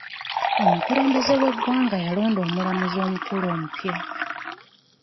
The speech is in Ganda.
Omukulembeze w'eggwanga yalonda omulamuzi omukulu omupya.